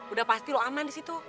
udah pasti lo aman disitu